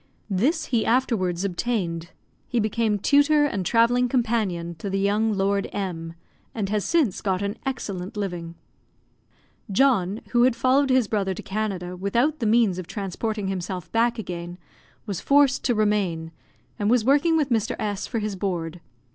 This he afterwards obtained. He became tutor and travelling companion to the young Lord M , and has since got an excellent living. John, who had followed his brother to Canada without the means of transporting himself back again, was forced to remain, and was working with Mr. S for his board.